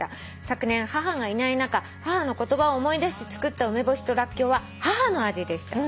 「昨年母がいない中母の言葉を思い出し作った梅干しとらっきょうは母の味でした」